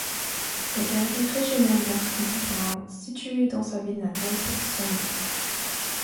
La galerie régionale d’art contemporain située dans sa ville natale porte son nom.